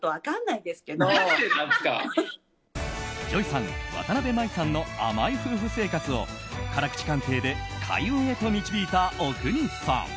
ＪＯＹさんわたなべ麻衣さんの甘い夫婦生活を辛口鑑定で開運へと導いた阿国さん。